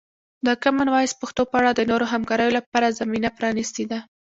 د کامن وایس پښتو په اړه د نورو همکاریو لپاره زمینه پرانیستې ده.